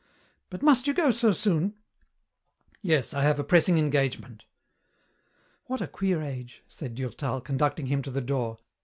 But must you go so soon?" "Yes, I have a pressing engagement." "What a queer age," said Durtal, conducting him to the door.